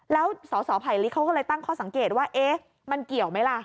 แล้วสสไผลลิกเขาก็เลยตั้งข้อสังเกตว่าเอ๊ะมันเกี่ยวไหมล่ะ